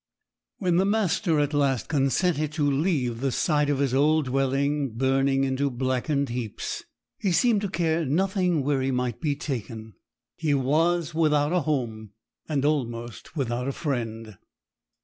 When the master at last consented to leave the sight of his old dwelling burning into blackened heaps, he seemed to care nothing where he might be taken. He was without a home, and almost without a friend.